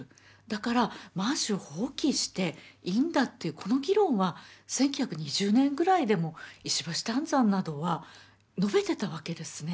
だから満州を放棄していいんだというこの議論は１９２０年ぐらいでも石橋湛山などは述べてたわけですね。